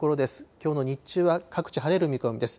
きょうの日中は各地、晴れる見込みです。